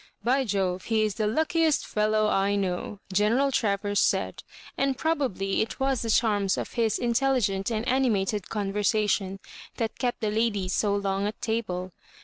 "By Jove I he is the luckiest feUow I know^" General Travers said ; and probably it was the charms of his in telligent and animated conversation that kept the ladies so long at table.